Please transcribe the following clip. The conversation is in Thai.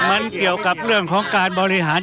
มันเกี่ยวกับเรื่องของการบริหาร